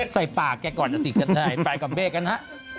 ใส่ปากแกก่อนอาถรรพ์กันใช่ไหมไปกับเบ๊กันนะ